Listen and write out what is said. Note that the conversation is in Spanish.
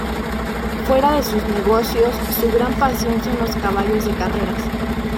Fuera de sus negocios su gran pasión son los caballos de carreras.